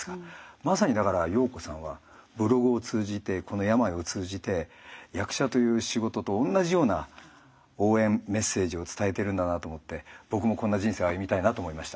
まさにだから暢子さんはブログを通じてこの病を通じて役者という仕事と同じような応援メッセージを伝えてるんだなと思って僕もこんな人生を歩みたいなと思いました。